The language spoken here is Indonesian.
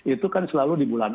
itu kan selalu di bulan